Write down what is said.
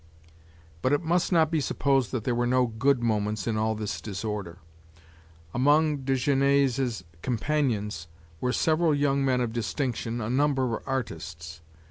But it must not be supposed that there were no good moments in all this disorder. Among Desgenais's companions were several young men of distinction, a number of artists.